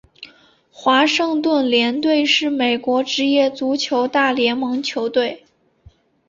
华盛顿联队是美国职业足球大联盟球队。